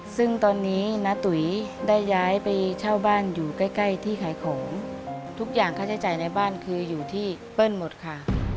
ซึ่งตอนนี้น้าตุ๋ยได้ย้ายไปเช่าบ้านอยู่ใกล้ใกล้ที่ขายของทุกอย่างค่าใช้จ่ายในบ้านคืออยู่ที่เปิ้ลหมดค่ะ